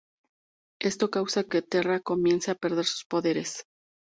Esto causa que Terra comience a perder sus poderes.